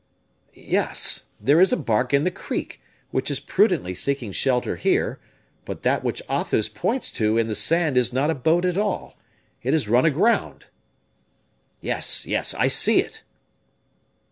"Yes, there is a bark in the creek, which is prudently seeking shelter here; but that which Athos points to in the sand is not a boat at all it has run aground." "Yes, yes, I see it."